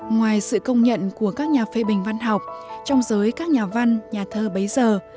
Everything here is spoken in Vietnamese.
ngoài sự công nhận của các nhà phê bình văn học trong giới các nhà văn nhà thơ bấy giờ